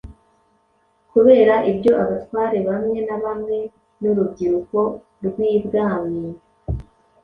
Kubera ibyo, Abatware bamwe na bamwe n'urubyiruko rw'ibwami